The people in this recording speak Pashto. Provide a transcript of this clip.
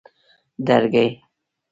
درگۍ